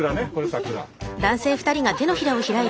桜。